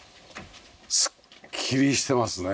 すっきりしてますね。